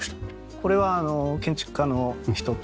これは建築家の人と。